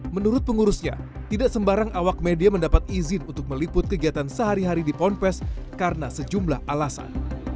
menurut pengurusnya tidak sembarang awak media mendapat izin untuk meliput kegiatan sehari hari di ponpes karena sejumlah alasan